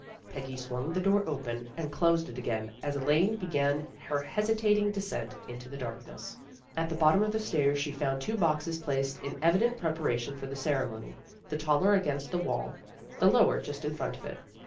Peggy swung the door open and closed it again as Elaine began her hesitating descent into the darkness. At the bottom of the stairs she found two boxes placed in evident preparation for the ceremony, the taller against the wall, the lower just in front of it.